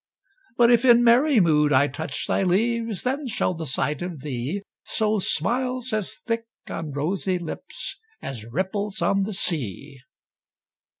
But if in merry mood I touch Thy leaves, then shall the sight of thee Sow smiles as thick on rosy lips As ripples on the sea.